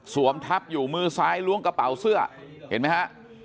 ทับอยู่มือซ้ายล้วงกระเป๋าเสื้อเห็นไหมฮะ